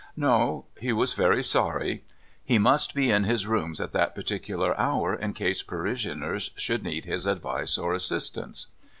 No, he was very sorry. He must be in his rooms at that particular hour in case parishioners should need his advice or assistance.